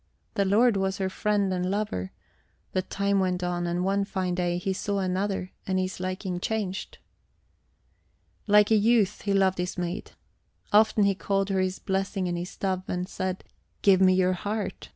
The lord was her friend and lover; but time went on, and one fine day he saw another and his liking changed. Like a youth he loved his maid. Often he called her his blessing and his dove, and said: "Give me your heart!"